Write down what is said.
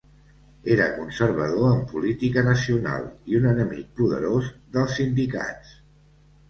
Era conservador en política nacional i un enemic poderós dels sindicats.